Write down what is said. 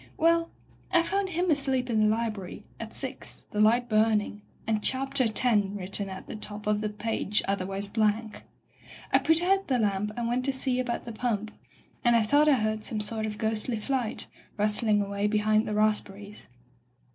"Well, I found him asleep in die library, at six, the light burning, and 'Chapter X' written at the top of a page otherwise blank. I put out the lamp and went to see about the pump, and I thought I heard some sort of ghostly flight, rustling away behind the rasp berries.